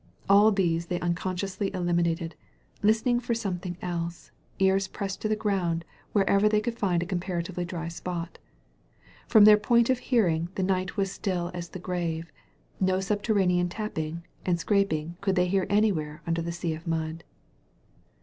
All these they unconsciously eliminated, listening for something else, ears pressed to the ground wherever they could find a compara tively dry spot. Prom their point of hearing the night was still as the grave — no subterranean tap ping and scraping could they hear anywhere under the sea of mud.